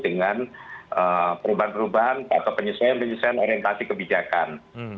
dengan perubahan perubahan atau penyesuaian penyesuaian orientasi kebijakan